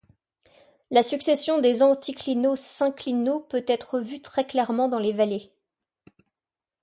La succession des anticlinaux-synclinaux peut être vue très clairement dans les vallées.